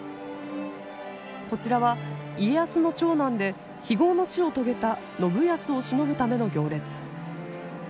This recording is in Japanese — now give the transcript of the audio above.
こちらは家康の長男で非業の死を遂げた信康をしのぶための行列。